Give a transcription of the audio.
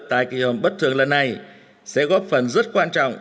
tại kỳ họp bất thường lần này sẽ góp phần rất quan trọng